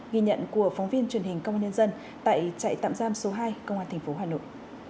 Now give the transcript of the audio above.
ghi nhận của phóng viên truyền hình công an nhân dân tại trại tạm giam số hai công an tp hà nội